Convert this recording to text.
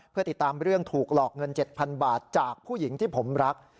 เพื่อติดตามเรื่องถูกหลอกเงิน๗๐๐บาทจากผู้หญิงที่ผมรัก